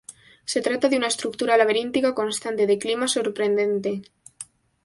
Se trata de una estructura laberíntica constante, de clima sorprendente.